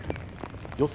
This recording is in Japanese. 予想